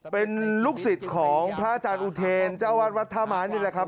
เป็นลูกศิษย์ของพระอาจารย์อุเทรนเจ้าวัดวัดท่าไม้นี่แหละครับ